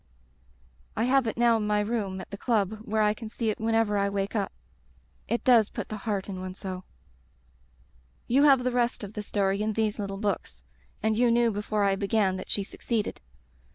* I have it now in my room at the club where I can see it whenever I wake up. It does put the heart in one so. Digitized by LjOOQ IC The Rubber Stamp "You have the rest of the story in these little books, and you knew before I began that she succeeded.